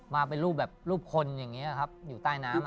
มาเป็นรูปแบบรูปคนอย่างนี้ครับอยู่ใต้น้ำ